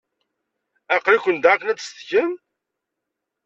Aql-iken da akken ad tsetgem?